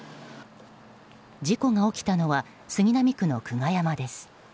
事故が起きたのは杉並区の久我山です。